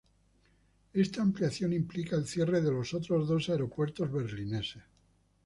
Esta ampliación implica el cierre de los otros dos aeropuertos berlineses.